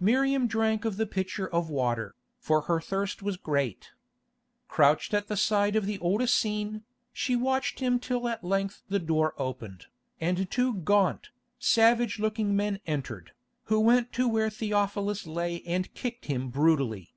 Miriam drank of the pitcher of water, for her thirst was great. Crouched at the side of the old Essene, she watched him till at length the door opened, and two gaunt, savage looking men entered, who went to where Theophilus lay and kicked him brutally.